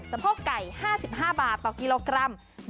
โพกไก่๕๕บาทต่อกิโลกรัม